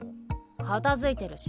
片付いてるし。